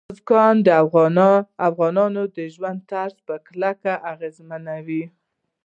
بزګان د افغانانو د ژوند طرز په کلکه اغېزمنوي.